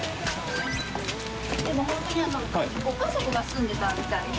任睨榲筿ご家族が住んでたみたいで。